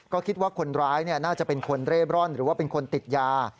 ก็คิดว่าคนร้ายน่าจะเป็นคนเร่ร่อนหรือว่าเป็นคนติดยา